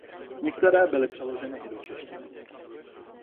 Některé byly přeloženy i do češtiny.